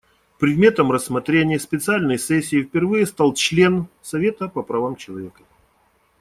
Предметом рассмотрения специальной сессии впервые стал член Совета по правам человека.